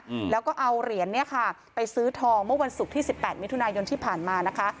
อืมแล้วก็เอาเหรียญเนี้ยค่ะไปซื้อทองเมื่อวันศุกร์ที่สิบแปดมิถุนายนที่ผ่านมานะคะ